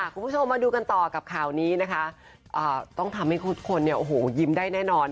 คุณผู้ชมมาดูกันต่อกับข่าวนี้ต้องทำให้คนยิ้มได้แน่นอน